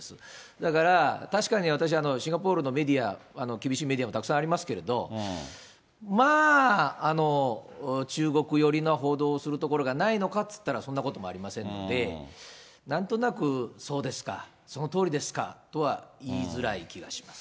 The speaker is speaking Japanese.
だから確かに私、シンガポールのメディア、厳しいメディアもたくさんありますけれども、まあ、中国寄りな報道をするところがないのかといったら、そんなこともありませんので、なんとなくそうですか、そのとおりですかとは言いづらい気がします。